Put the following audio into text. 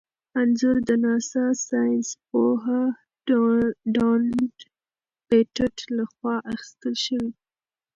انځور د ناسا ساینسپوه ډونلډ پېټټ لخوا اخیستل شوی.